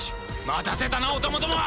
待たせたなお供ども！